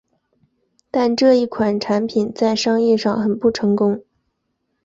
但这一款产品在商业上很不成功。